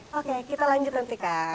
oke kita lanjut nanti kak